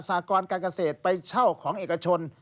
สากรการเกษตรไปเช่าของเอกชน